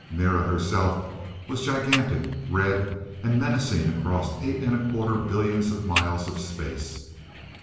Mira herself was gigantic, red and menacing across eight and a quarter billions of miles of space.